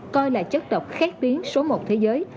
coi là chất độc khét biến số một thế giới